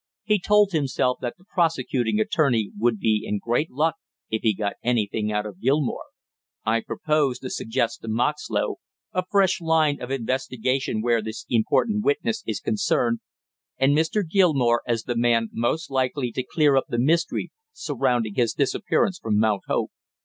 He told himself that the prosecuting attorney would be in great luck if he got anything out of Gilmore. "I purpose to suggest to Moxlow a fresh line of investigation where this important witness is concerned, and Mr. Gilmore as the man most likely to clear up the mystery surrounding his disappearance from Mount Hope.